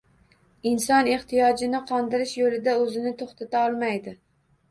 Inson ehtiyojni qondirish yo`lida o`zini to`xtata olmaydi